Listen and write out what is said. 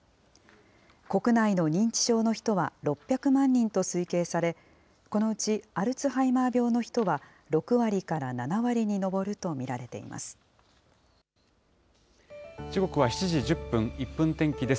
国内の認知症の人は６００万人と推計され、このうちアルツハイマー病の人は６割から７割に上ると見られてい時刻は７時１０分、１分天気です。